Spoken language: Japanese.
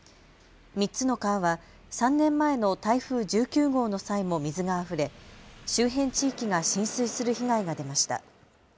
３つの川は３年前の台風１９号の際も水があふれ周辺地域が浸水する被害が出ました。